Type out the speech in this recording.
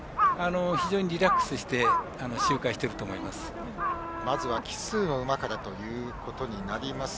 非常にリラックスして周回していると思います。